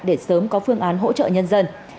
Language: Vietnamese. để sớm có phương án hỗ trợ nhân dân